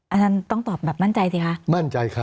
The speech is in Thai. อาจารย์ต้องตอบแบบมั่นใจสิคะมั่นใจครับ